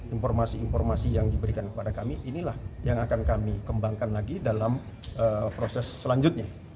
informasi informasi yang diberikan kepada kami inilah yang akan kami kembangkan lagi dalam proses selanjutnya